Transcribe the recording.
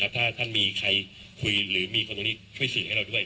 ถ้าท่านมีใครคุยหรือมีคนตรงนี้ช่วยสื่อให้เราด้วย